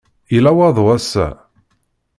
Yella waḍu ass-a.